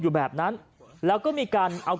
ก็ได้พลังเท่าไหร่ครับ